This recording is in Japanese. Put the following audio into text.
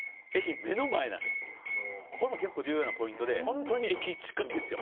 これも結構重要なポイントでホントに駅近すごいですよ。